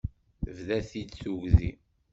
Tebda-t-id tugdi.